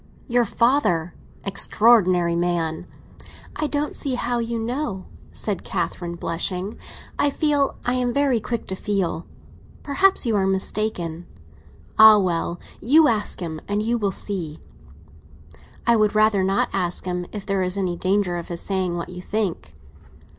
"Your father; extraordinary man!" "I don't see how you know," said Catherine, blushing. "I feel; I am very quick to feel." "Perhaps you are mistaken." "Ah, well; you ask him and you will see." "I would rather not ask him, if there is any danger of his saying what you think."